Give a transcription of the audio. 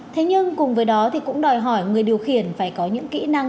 thế nhưng cùng với đó thì cũng đòi hỏi người điều khiển phải có những kỹ năng